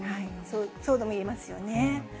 そうとも言えますよね。